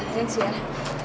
sini sih ya